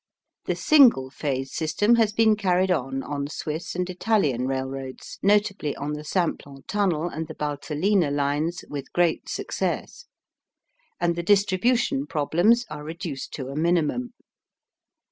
The single phase system has been carried on on Swiss and Italian railroads, notably on the Simplon Tunnel and the Baltelina lines with great success, and the distribution problems are reduced to a minimum.